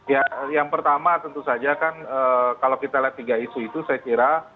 ya yang pertama tentu saja kan kalau kita lihat tiga isu itu saya kira